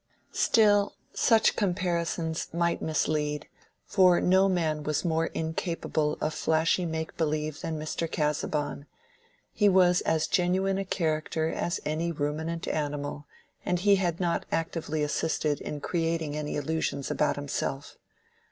Still, such comparisons might mislead, for no man was more incapable of flashy make believe than Mr. Casaubon: he was as genuine a character as any ruminant animal, and he had not actively assisted in creating any illusions about himself.